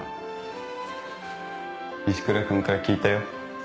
石倉君から聞いたよ。